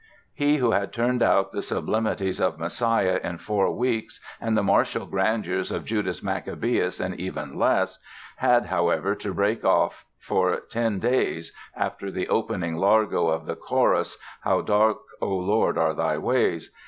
He who had turned out the sublimities of "Messiah" in four weeks and the martial grandeurs of "Judas Maccabaeus" in even less had, however, to break off for ten days after the opening Largo of the chorus "How dark, O Lord, are Thy ways."